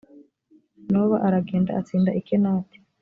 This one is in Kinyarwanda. noba aragenda atsinda i kenati